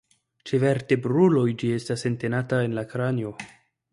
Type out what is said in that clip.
Ĉe vertebruloj ĝi estas entenata en la kranio.